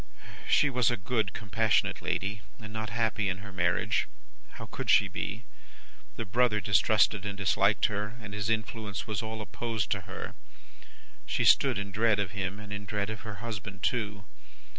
"She was a good, compassionate lady, and not happy in her marriage. How could she be! The brother distrusted and disliked her, and his influence was all opposed to her; she stood in dread of him, and in dread of her husband too.